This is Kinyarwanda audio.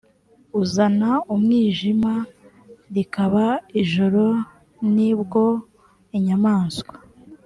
uzana umwijima rikaba ijoro ni bwo inyamaswa